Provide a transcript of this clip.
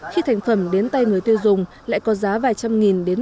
khi thành phẩm đến tay người tiêu dùng lại có giá vài trăm nghìn đến